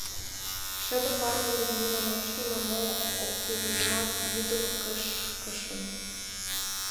Шыде пар дене Людмилан ончылно мо оккӱлжымат вӱдыл кышкышым.